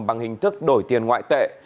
bằng hình thức đổi tiền ngoại tệ